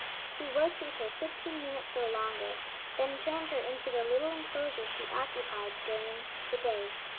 He worked with her fifteen minutes or longer, then turned her into the little enclosure she occupied during the day.